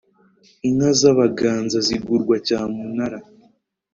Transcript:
Inka z'Abaganza zigurwa cyamunara.